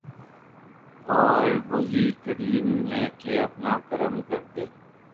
او ر وہی کریم ہے کہ اپنا کرم کردے ۔